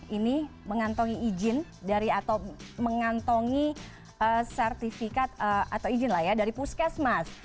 ini mengantongi izin dari atau mengantongi sertifikat atau izin lah ya dari puskesmas